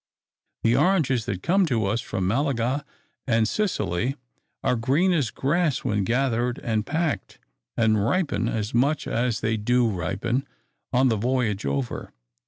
The oranges that come to us from Malaga and Sicily are green as grass when gathered and packed, and ripen, as much as they do ripen, on the voyage over.